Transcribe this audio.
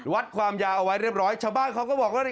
วัดความยาวเอาไว้เรียบร้อยชาวบ้านเขาก็บอกว่า